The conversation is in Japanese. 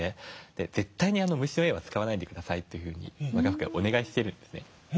「絶対に虫の絵は使わないで下さい」とカフカはお願いしてるんですね。